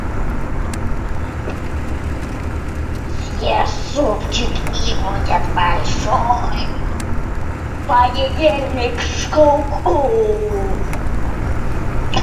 Поднимающиеся морские воды заливают их дома.